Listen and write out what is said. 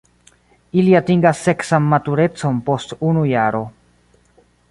Ili atingas seksan maturecon post unu jaro.